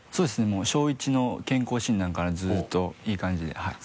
もう小１の健康診断からずっといい感じではい。